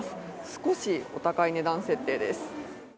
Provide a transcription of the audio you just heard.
少しお高い値段設定です。